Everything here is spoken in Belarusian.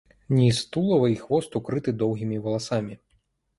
Ніз тулава і хвост укрыты доўгімі валасамі.